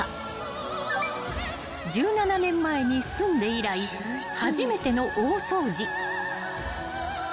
［１７年前に住んで以来初めての大掃除］